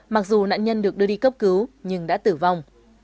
mặc dù nạn nhân được đưa đi cấp cứu nhưng đã tử vong